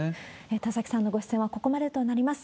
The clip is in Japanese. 田崎さんのご出演はここまでとなります。